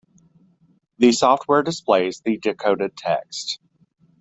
The software displays the decoded text.